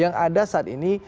yang ada saat ini